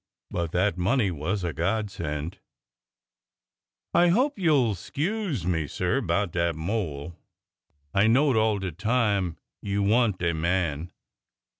But that money was a godsend. I hope you 'll 'scuse me, sir, 'bout dat mole. I knowed all time you wa'n't de man.